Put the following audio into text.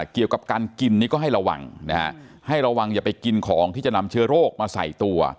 เกี่ยวกับการกินนี่ก็ให้ระวังนะฮะให้ระวังอย่าไปกินของที่จะนำเชื้อโรคมาใส่ตัว